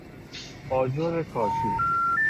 آجر کاشی